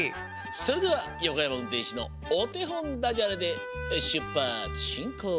それでは横山うんてんしのおてほんダジャレでしゅっぱつしんこう！